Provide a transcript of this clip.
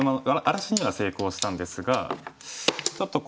荒らしには成功したんですがちょっと